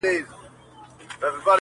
پر هر ځای چي به ملګري وه ښاغلي،